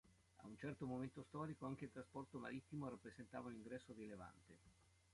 A un certo momento storico, anche il trasporto marittimo rappresentava un ingresso rilevante.